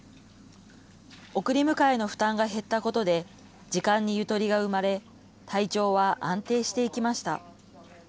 送り迎えの負担が減ったことで時間にゆとりが生まれ体調は安定していきました。